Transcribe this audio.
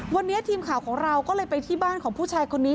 วันนี้ทีมข่าวของเราก็เลยไปที่บ้านของผู้ชายคนนี้